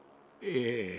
ええ。